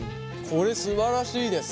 これすばらしいです。